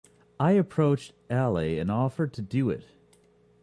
I approached Alea and offered to do it.